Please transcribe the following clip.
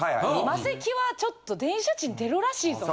マセキはちょっと電車賃出るらしいぞと。